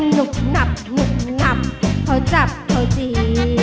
หนุ่กหนับหนุ่กหนับเผาจับเผาจี